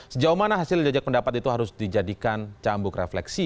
sejauh mana hasil jejak pendapat itu harus dijadikan cambuk refleksi